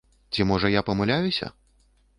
Ці можа я памыляюся?